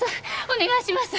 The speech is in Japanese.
お願いします！